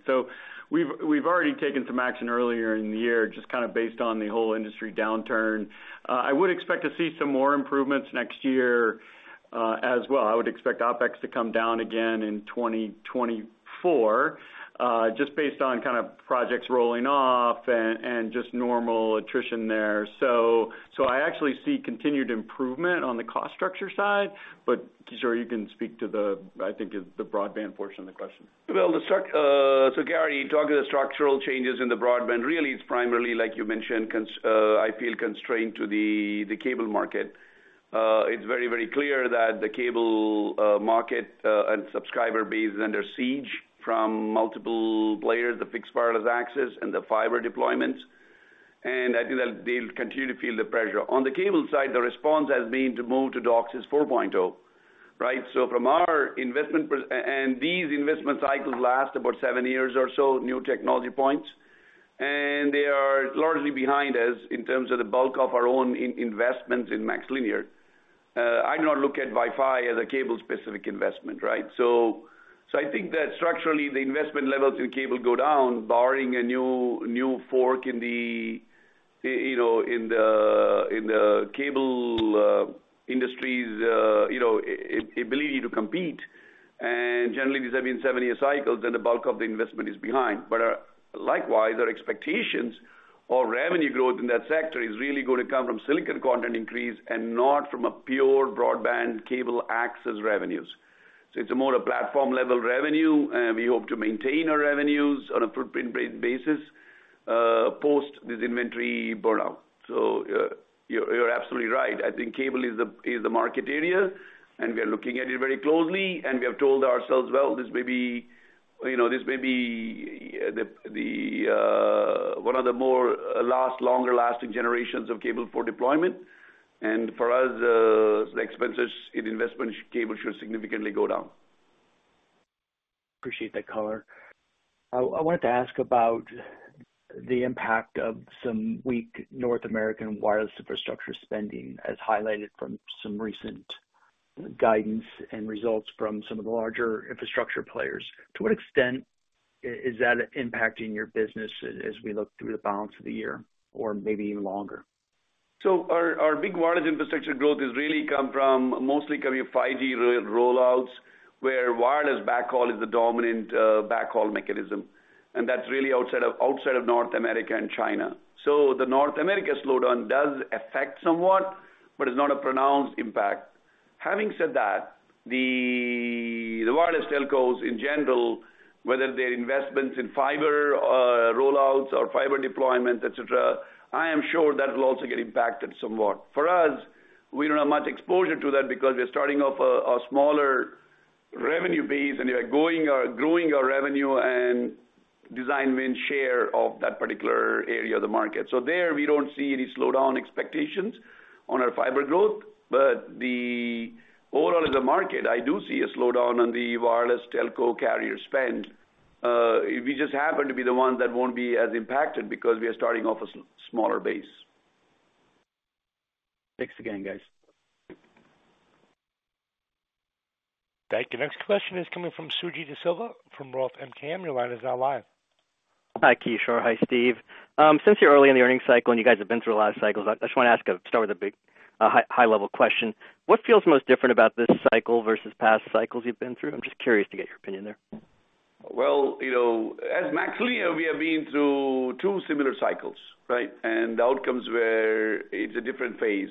Speaker 4: We've already taken some action earlier in the year, just kinda based on the whole industry downturn. I would expect to see some more improvements next year as well. I would expect OpEx to come down again in 2024, just based on kinda projects rolling off and just normal attrition there. I actually see continued improvement on the cost structure side, Kishore, you can speak to the, I think, it's the broadband portion of the question.
Speaker 3: Well, so Gary, you talk of the structural changes in the broadband, really, it's primarily like you mentioned, I feel constrained to the cable market. It's very, very clear that the cable market and subscriber base is under siege from multiple players, the fixed wireless access and the fiber deployments. I think that they'll continue to feel the pressure. On the cable side, the response has been to move to DOCSIS 4.0, right? These investment cycles last about seven years or so, new technology points, and they are largely behind us in terms of the bulk of our own investments in MaxLinear. I do not look at Wi-Fi as a cable-specific investment, right? I think that structurally, the investment levels in cable go down, barring a new fork in the, you know, in the, in the cable industry's, you know, ability to compete. Generally, these have been seven-year cycles, and the bulk of the investment is behind. Likewise, our expectations or revenue growth in that sector is really going to come from silicon content increase and not from a pure broadband cable access revenues. It's a more a platform-level revenue, and we hope to maintain our revenues on a footprint basis, post this inventory burnout. You're absolutely right. I think cable is the market area, we are looking at it very closely, we have told ourselves, well, this may be, you know, this may be the one of the more longer-lasting generations of cable for deployment. For us, the expenses in investment cable should significantly go down.
Speaker 11: Appreciate that color. I wanted to ask about the impact of some weak North American wireless infrastructure spending, as highlighted from some recent guidance and results from some of the larger infrastructure players. To what extent is that impacting your business as we look through the balance of the year or maybe even longer?
Speaker 3: Our, our big wireless infrastructure growth has really come from mostly coming from 5G rollouts, where wireless backhaul is the dominant backhaul mechanism, and that's really outside of, outside of North America and China. The North America slowdown does affect somewhat, but it's not a pronounced impact. Having said that, the wireless telcos, in general, whether their investments in fiber rollouts or fiber deployment, et cetera, I am sure that will also get impacted somewhat. For us, we don't have much exposure to that because we're starting off a smaller revenue base, and we are growing our revenue and design win share of that particular area of the market. There, we don't see any slowdown expectations on our fiber growth. The overall as a market, I do see a slowdown on the wireless telco carrier spend. We just happen to be the ones that won't be as impacted because we are starting off a smaller base.
Speaker 11: Thanks again, guys.
Speaker 1: Thank you. Next question is coming from Suji Desilva from ROTH MKM. Your line is now live.
Speaker 12: Hi, Kishore. Hi, Steve. Since you're early in the earnings cycle and you guys have been through a lot of cycles, I just wanna start with a big, a high-level question. What feels most different about this cycle versus past cycles you've been through? I'm just curious to get your opinion there.
Speaker 3: Well, you know, as MaxLinear, we have been through two similar cycles, right? The outcomes were... It's a different phase.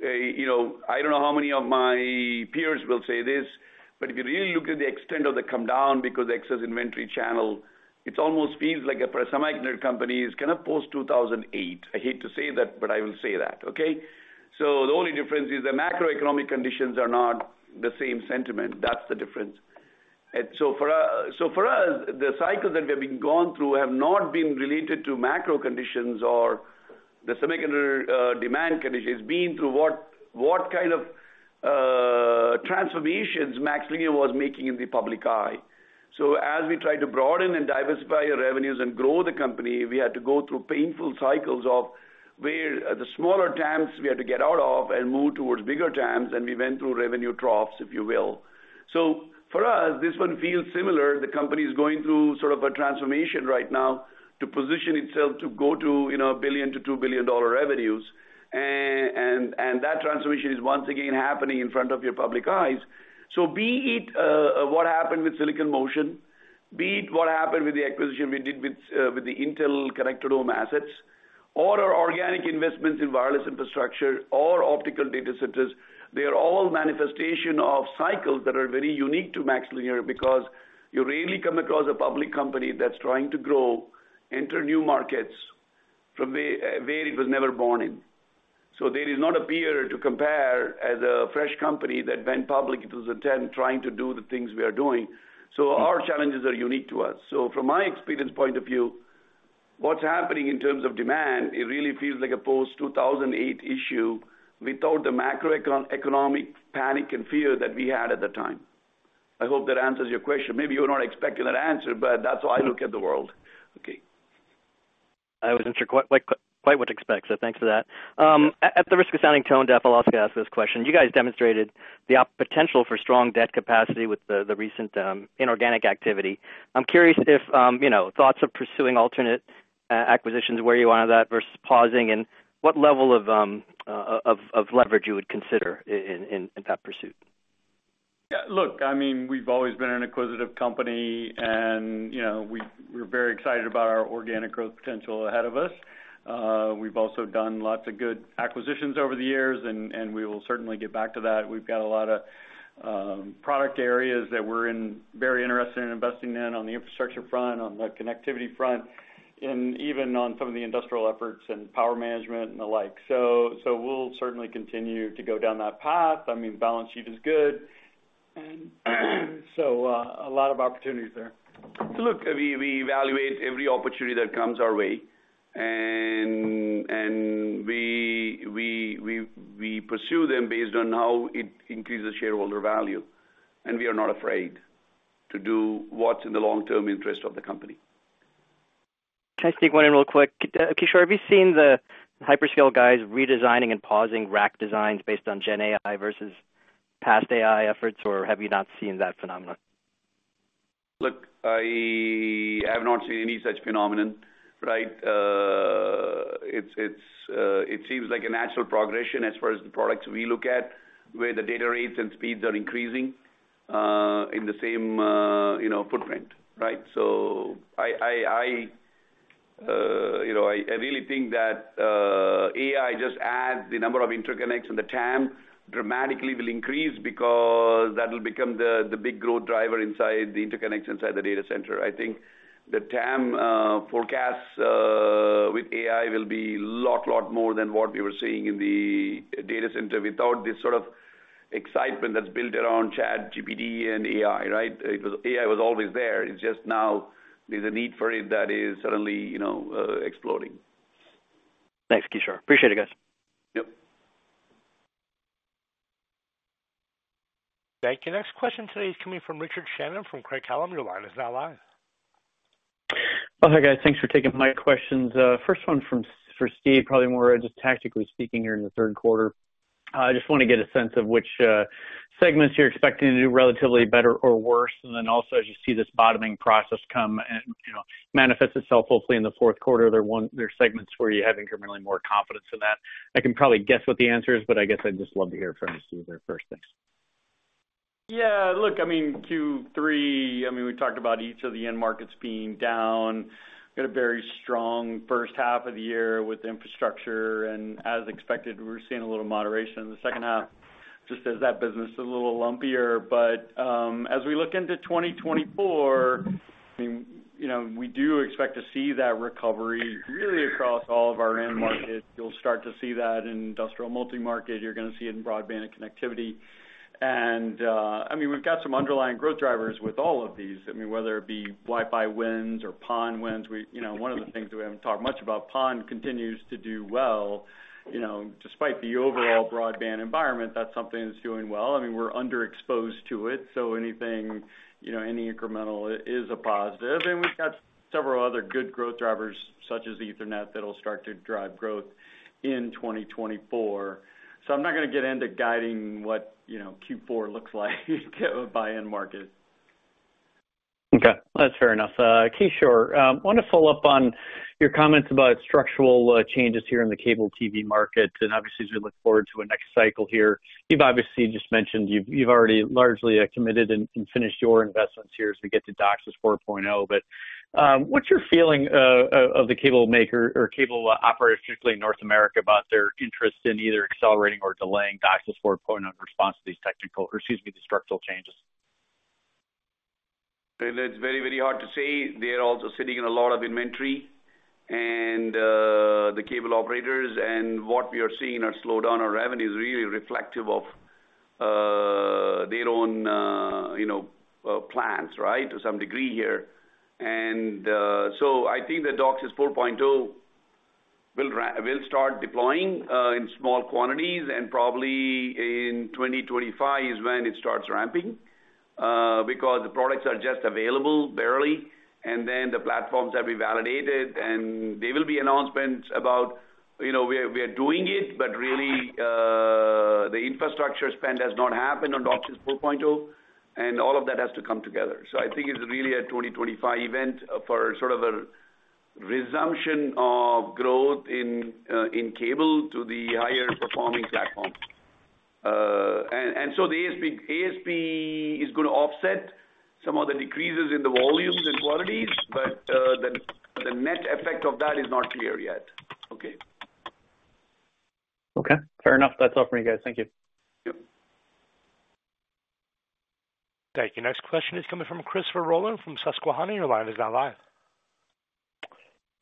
Speaker 3: You know, I don't know how many of my peers will say this, but if you really look at the extent of the come down, because excess inventory channel, it almost feels like for a semiconductor company, it's kind of post-2008. I hate to say that, but I will say that, okay? The only difference is the macroeconomic conditions are not the same sentiment. That's the difference. For us, the cycles that we have been gone through have not been related to macro conditions or the semiconductor demand conditions. It's been through what kind of transformations MaxLinear was making in the public eye. As we try to broaden and diversify our revenues and grow the company, we had to go through painful cycles of where the smaller TAMs we had to get out of and move towards bigger TAMs, and we went through revenue troughs, if you will. For us, this one feels similar. The company is going through sort of a transformation right now to position itself to go to, you know, $1 billion-$2 billion revenues. That transformation is once again happening in front of your public eyes. Be it what happened with Silicon Motion, be it what happened with the acquisition we did with the Intel Connected Home assets, or our organic investments in wireless infrastructure or optical data centers, they are all manifestation of cycles that are very unique to MaxLinear, because you rarely come across a public company that's trying to grow, enter new markets from where it was never born in. There is not a peer to compare as a fresh company that went public in 2010, trying to do the things we are doing. Our challenges are unique to us. From my experience point of view, what's happening in terms of demand, it really feels like a post-2008 issue without the macroeconomic panic and fear that we had at the time. I hope that answers your question. Maybe you were not expecting that answer, but that's how I look at the world. Okay.
Speaker 12: I wasn't sure quite what to expect, so thanks for that. At the risk of sounding tone deaf, I'll also ask this question: You guys demonstrated the potential for strong debt capacity with the recent inorganic activity. I'm curious if, you know, thoughts of pursuing alternate acquisitions, where you are on that versus pausing, and what level of leverage you would consider in that pursuit?
Speaker 4: Yeah, look, I mean, we've always been an acquisitive company, and, you know, we're very excited about our organic growth potential ahead of us. We've also done lots of good acquisitions over the years, and we will certainly get back to that. We've got a lot of product areas that we're very interested in investing in on the infrastructure front, on the connectivity front, and even on some of the industrial efforts and power management and the like. We'll certainly continue to go down that path. I mean, the balance sheet is good, and so, a lot of opportunities there.
Speaker 3: Look, we evaluate every opportunity that comes our way, and we pursue them based on how it increases shareholder value, and we are not afraid to do what's in the long-term interest of the company.
Speaker 12: Can I sneak one in real quick? Kishore, have you seen the hyperscale guys redesigning and pausing rack designs based on Gen AI versus past AI efforts, or have you not seen that phenomenon?
Speaker 3: Look, I have not seen any such phenomenon, right? It's, it's a natural progression as far as the products we look at, where the data rates and speeds are increasing, in the same, you know, footprint, right? I, you know, I really think that AI just adds the number of interconnects, and the TAM dramatically will increase because that will become the big growth driver inside the interconnection side of the data center. I think the TAM forecast with AI will be lot more than what we were seeing in the data center without this sort of excitement that's built around ChatGPT and AI, right? AI was always there. It's just now there's a need for it that is suddenly, you know, exploding.
Speaker 12: Thanks, Kishore. Appreciate it, guys.
Speaker 3: Yep.
Speaker 1: Thank you. Next question today is coming from Richard Shannon from Craig-Hallum. Your line is now live.
Speaker 13: Hi, guys. Thanks for taking my questions. First one for Steve, probably more just tactically speaking here in the third quarter. I just want to get a sense of which segments you're expecting to do relatively better or worse, as you see this bottoming process come and, you know, manifest itself, hopefully in the fourth quarter, there are segments where you have incrementally more confidence in that. I can probably guess what the answer is, but I guess I'd just love to hear from Steve there first. Thanks.
Speaker 4: Look, I mean, Q3, I mean, we talked about each of the end markets being down. We had a very strong first half of the year with infrastructure, as expected, we're seeing a little moderation in the second half, just as that business is a little lumpier. As we look into 2024, I mean, you know, we do expect to see that recovery really across all of our end markets. You'll start to see that in industrial multimarket. You're going to see it in broadband and connectivity. I mean, we've got some underlying growth drivers with all of these. I mean, whether it be Wi-Fi wins or PON wins, you know, one of the things that we haven't talked much about, PON continues to do well. You know, despite the overall broadband environment, that's something that's doing well. I mean, we're underexposed to it, so anything, you know, any incremental is a positive. We've got several other good growth drivers, such as Ethernet, that'll start to drive growth in 2024. I'm not going to get into guiding what, you know, Q4 looks like by end market.
Speaker 13: Okay, that's fair enough. Kishore, wanted to follow up on your comments about structural changes here in the cable TV market, and obviously, as we look forward to a next cycle here, you've obviously just mentioned you've already largely committed and finished your investments here as we get to DOCSIS 4.0. What's your feeling of the cable maker or cable operators, particularly in North America, about their interest in either accelerating or delaying DOCSIS 4.0 in response to these structural changes?
Speaker 3: It's very, very hard to say. They're also sitting in a lot of inventory and, the cable operators, and what we are seeing are slowdown of revenue is really reflective of, their own, you know, plans, right? To some degree here. I think the DOCSIS 4.0 will start deploying, in small quantities, and probably in 2025 is when it starts ramping, because the products are just available, barely, and then the platforms have been validated, and there will be announcements about, you know, we are, we are doing it, but really, the infrastructure spend has not happened on DOCSIS 4.0, and all of that has to come together. I think it's really a 2025 event for sort of a resumption of growth in cable to the higher performing platform. The ASP is going to offset some of the decreases in the volumes and qualities, but the net effect of that is not clear yet. Okay.
Speaker 13: Okay, fair enough. That's all for me, guys. Thank you.
Speaker 3: Yep.
Speaker 1: Thank you. Next question is coming from Christopher Rolland from Susquehanna, your line is now live.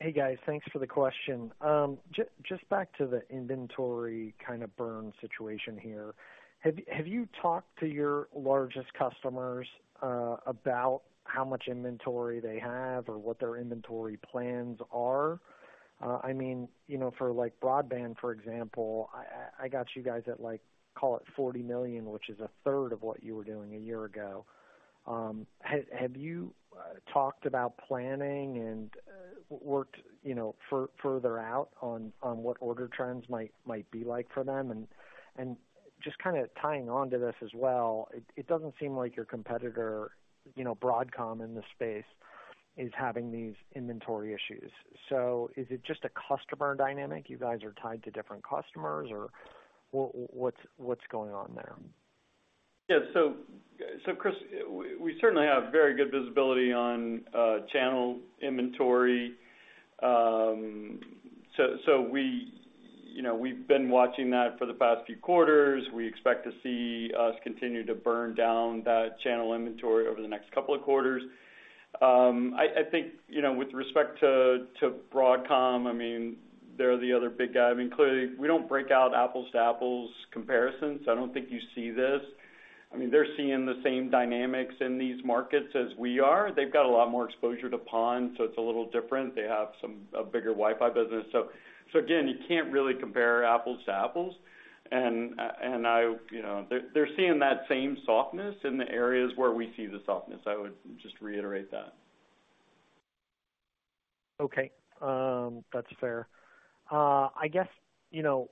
Speaker 6: Hey, guys. Thanks for the question. Just back to the inventory kind of burn situation here. Have you talked to your largest customers about how much inventory they have or what their inventory plans are? I mean, you know, for, like, broadband, for example, I got you guys at, like, call it $40 million, which is a third of what you were doing a year ago. Have you talked about planning and worked, you know, further out on what order trends might be like for them? Just kind of tying on to this as well, it doesn't seem like your competitor, you know, Broadcom, in the space, is having these inventory issues. Is it just a customer dynamic? You guys are tied to different customers or what's going on there?
Speaker 4: Yeah, so Chris, we certainly have very good visibility on channel inventory. So we, you know, we've been watching that for the past few quarters. We expect to see us continue to burn down that channel inventory over the next couple of quarters. I think, you know, with respect to Broadcom, I mean, they're the other big guy. I mean, clearly, we don't break out apples-to-apples comparisons, so I don't think you see this. I mean, they're seeing the same dynamics in these markets as we are. They've got a lot more exposure to PON, so it's a little different. They have a bigger Wi-Fi business. Again, you can't really compare apples to apples. You know, they're seeing that same softness in the areas where we see the softness. I would just reiterate that.
Speaker 6: Okay, that's fair. I guess, you know,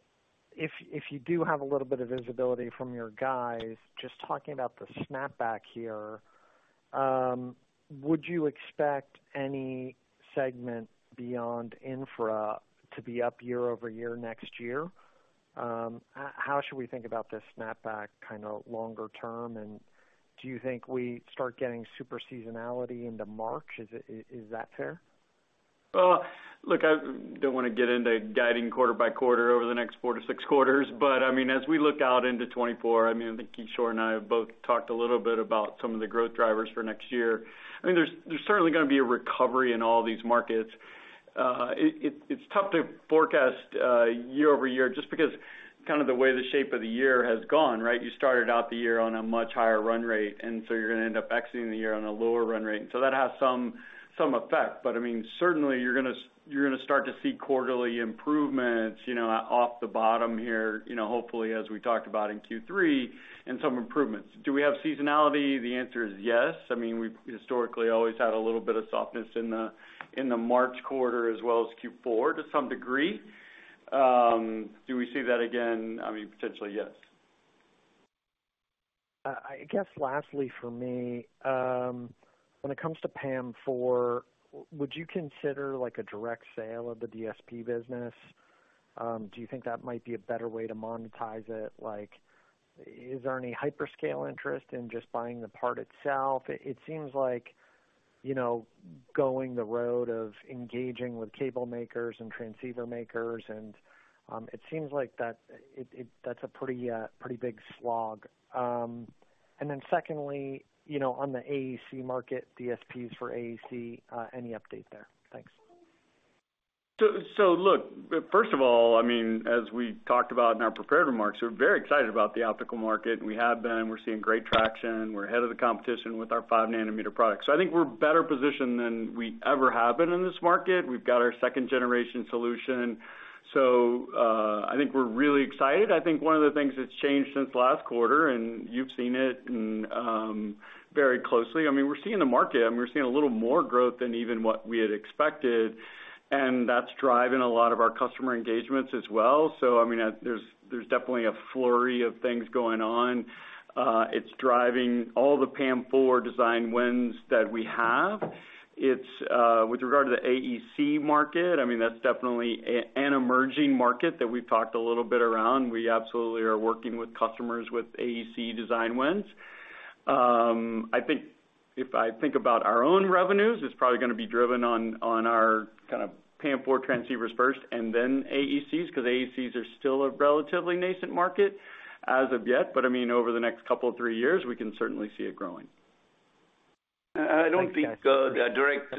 Speaker 6: if you do have a little bit of visibility from your guys, just talking about the snapback here, would you expect any segment beyond infra to be up year-over-year next year? How should we think about this snapback kind of longer term, and do you think we start getting super seasonality into March? Is that fair?
Speaker 4: Well, look, I don't want to get into guiding quarter by quarter over the next quarter, 6 quarters, but I mean, as we look out into 2024, I mean, I think Kishore and I have both talked a little bit about some of the growth drivers for next year. I mean, there's certainly going to be a recovery in all these markets. It's tough to forecast year-over-year just because kind of the way the shape of the year has gone, right? You started out the year on a much higher run rate, and so you're gonna end up exiting the year on a lower run rate. That has some effect. I mean, certainly, you're gonna start to see quarterly improvements, you know, off the bottom here, you know, hopefully, as we talked about in Q3, and some improvements. Do we have seasonality? The answer is yes. I mean, we've historically always had a little bit of softness in the, in the March quarter as well as Q4 to some degree. Do we see that again? I mean, potentially, yes.
Speaker 6: I guess lastly for me, when it comes to PAM4, would you consider like a direct sale of the DSP business? Do you think that might be a better way to monetize it? Like, is there any hyperscale interest in just buying the part itself? It seems like, you know, going the road of engaging with cable makers and transceiver makers and, it seems like that that's a pretty big slog. Secondly, you know, on the AEC market, DSPs for AEC, any update there? Thanks.
Speaker 4: Look, first of all, I mean, as we talked about in our prepared remarks, we're very excited about the optical market, and we have been. We're seeing great traction. We're ahead of the competition with our 5nm products. I think we're better positioned than we ever have been in this market. We've got our second-generation solution. I think we're really excited. I think one of the things that's changed since last quarter, and you've seen it, and very closely, I mean, we're seeing the market. I mean, we're seeing a little more growth than even what we had expected, and that's driving a lot of our customer engagements as well. I mean, there's definitely a flurry of things going on. It's driving all the PAM4 design wins that we have. It's with regard to the AEC market, I mean, that's definitely an emerging market that we've talked a little bit around. We absolutely are working with customers with AEC design wins. I think if I think about our own revenues, it's probably gonna be driven on our kind of PAM4 transceivers first and then AECs, because AECs are still a relatively nascent market as of yet. I mean, over the next couple of three years, we can certainly see it growing.
Speaker 3: I don't think the direct,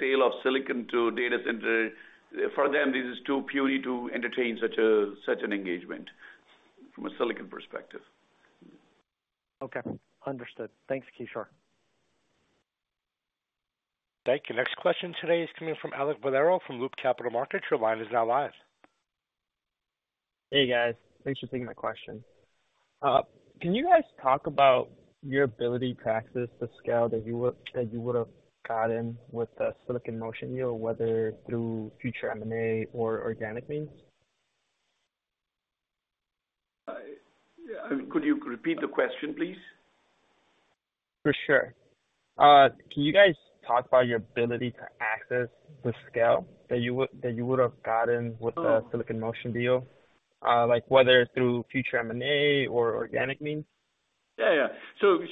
Speaker 3: sale of silicon to data center. For them, this is too puny to entertain such an engagement from a silicon perspective.
Speaker 6: Okay, understood. Thanks, Kishore.
Speaker 1: Thank you. Next question today is coming from Alek Valero from Loop Capital Markets. Your line is now live.
Speaker 14: Hey, guys. Thanks for taking my question. Can you guys talk about your ability to access the scale that you would have gotten with the Silicon Motion deal, whether through future M&A or organic means?
Speaker 3: Yeah, could you repeat the question, please?
Speaker 14: For sure. Can you guys talk about your ability to access the scale that you would have gotten with the Silicon Motion deal? Like whether through future M&A or organic means.
Speaker 4: Yeah, yeah. Sure,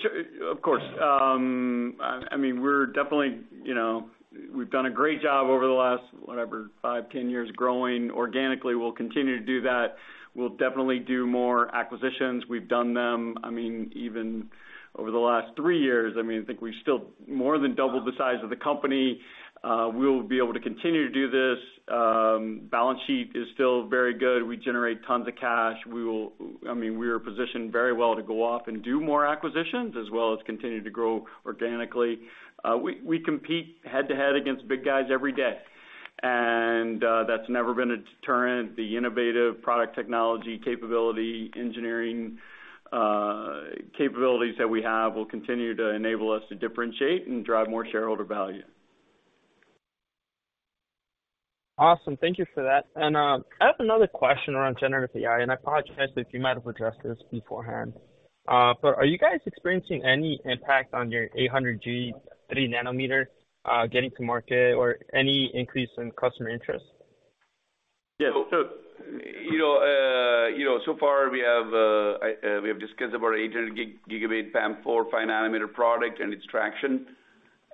Speaker 4: of course. I mean, we're definitely, you know. We've done a great job over the last, whatever, five, 10 years, growing organically. We'll continue to do that. We'll definitely do more acquisitions. We've done them, I mean, even over the last three years. I mean, I think we've still more than doubled the size of the company. We'll be able to continue to do this. Balance sheet is still very good. We generate tons of cash. I mean, we are positioned very well to go off and do more acquisitions, as well as continue to grow organically. We compete head-to-head against big guys every day, and that's never been a deterrent. The innovative product technology, capability, engineering, capabilities that we have will continue to enable us to differentiate and drive more shareholder value.
Speaker 14: Awesome. Thank you for that. I have another question around generative AI, and I apologize if you might have addressed this beforehand. Are you guys experiencing any impact on your 800G 3 nm, getting to market or any increase in customer interest?
Speaker 3: Yeah. You know, you know, so far we have, we have discussed about 800Gb PAM4, 5 nanometer product and its traction.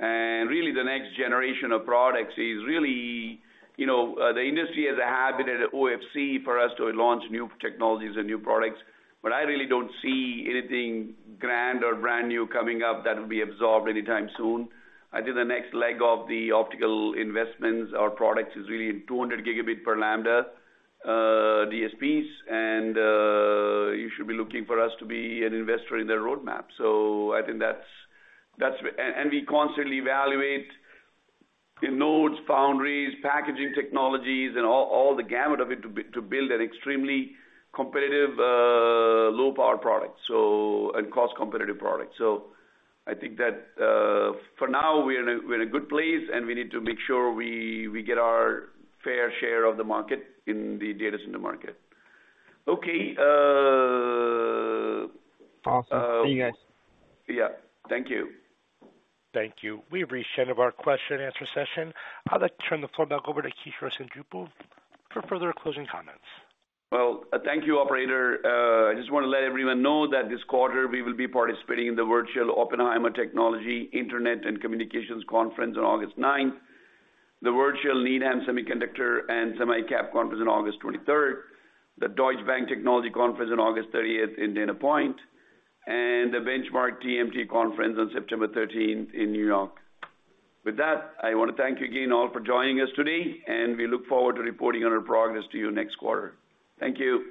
Speaker 3: Really, the next generation of products is really, you know, the industry has a habit at OFC for us to launch new technologies and new products, but I really don't see anything grand or brand new coming up that will be absorbed anytime soon. I think the next leg of the optical investments or products is really in 200Gb per lambda, DSPs, and you should be looking for us to be an investor in their roadmap. I think that's, and we constantly evaluate the nodes, foundries, packaging technologies, and all the gamut of it, to build an extremely competitive, low-power product, so, and cost competitive product. I think that, for now, we're in a good place, and we need to make sure we get our fair share of the market in the data center market. Okay.
Speaker 14: Awesome. Thank you, guys.
Speaker 3: Yeah. Thank you.
Speaker 1: Thank you. We've reached the end of our question-and-answer session. I'd like to turn the floor back over to Kishore Seendripu for further closing comments.
Speaker 3: Well, thank you, operator. I just want to let everyone know that this quarter we will be participating in the Virtual Oppenheimer Technology, Internet, and Communications Conference on August 9th, the Virtual Needham Semiconductor and SemiCap Conference on August 23rd, the Deutsche Bank Technology Conference on August 38th in Dana Point, and the Benchmark TMT Conference on September 13th in New York. With that, I want to thank you again all for joining us today, and we look forward to reporting on our progress to you next quarter. Thank you.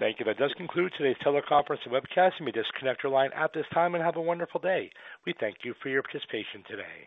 Speaker 1: Thank you. That does conclude today's teleconference and webcast. You may disconnect your line at this time and have a wonderful day. We thank you for your participation today.